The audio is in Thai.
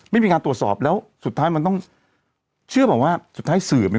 ไม่มีการตรวจสอบแล้วสุดท้ายมันต้องเชื่อบอกว่าสุดท้ายสื่อเนี่ย